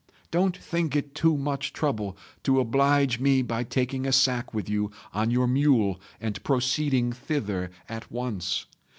Don't think it too much trouble to oblige me by taking a sack with you on your mule and proceeding thither at once.